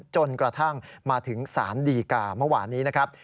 จนกระทั่งมาถึงสารดีกาเมื่อวานนี้นะครับ